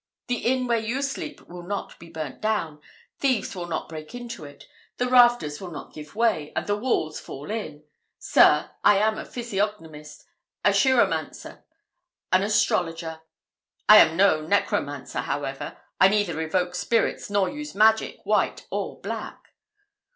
The inn where you sleep will not be burnt down, thieves will not break into it, the rafters will not give way, and the walls fall in. Sir, I am a physiognomist, a chiromancer, and astrologer. I am no necromancer, however I neither evoke spirits, nor use magic, white or black."